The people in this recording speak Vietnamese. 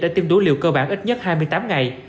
đã tiêm đủ liều cơ bản ít nhất hai mươi tám ngày